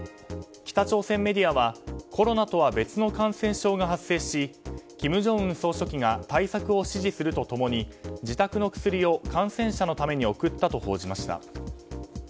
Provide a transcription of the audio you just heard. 北朝鮮メディアはコロナとは別の感染症が発生し金正恩総書記が対策を指示すると共に自宅の薬を感染者のために送ったと報じました。